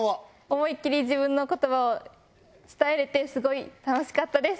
思いっきり自分の言葉を伝えられてすごい楽しかったです。